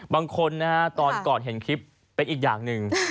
บางคนนะฮะตอนก่อนเห็นคลิปเป็นอีกอย่างหนึ่ง